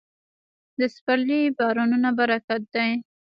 د پسرلي بارانونه برکت دی.